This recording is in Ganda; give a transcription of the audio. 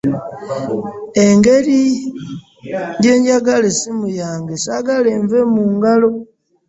Kungeri gye njagala essimu yange sagaala enve mungalo .